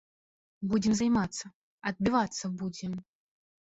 Будзем займацца, адбівацца будзем.